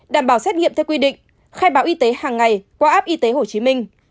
đảm bảo xét nghiệm theo quy định khai báo y tế hàng ngày qua app y tế hồ chí minh